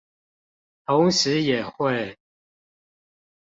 同時也會